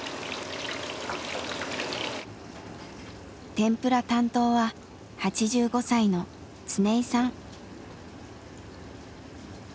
天ぷら担当は８５歳のつねいさん。